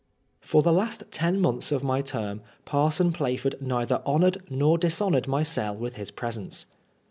For the last ten months of my term Parson Plaford neither honored nor dishonored my cell with his presence.